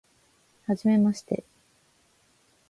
はじめまして